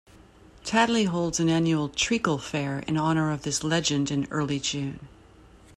Tadley holds an annual "Treacle Fair" in honour of this legend in early June.